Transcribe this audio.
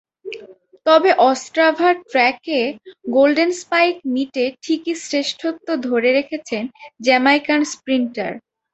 তবে অস্ট্রাভার ট্র্যাকে golden spike মিটে ঠিকই শ্রেষ্ঠত্ব ধরে রেখেছেন জ্যামাইকান স্প্রিন্টার।